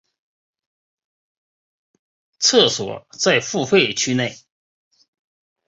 厕所在付费区内。